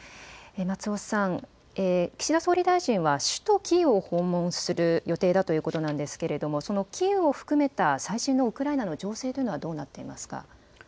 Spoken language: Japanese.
松尾さん、岸田総理大臣は首都キーウを訪問する予定だということなんですが、そのキーウを含めた最新のウクライナの情勢というのはどうなっていますか。